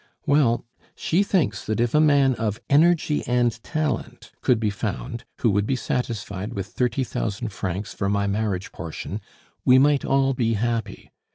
Well, she thinks that if a man of energy and talent could be found, who would be satisfied with thirty thousand francs for my marriage portion, we might all be happy.